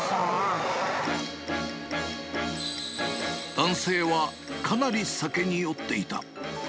男性はかなり酒に酔っていた。